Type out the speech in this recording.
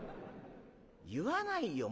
言わないよ